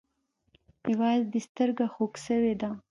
يوازې دې سترگه خوږ سوې ده.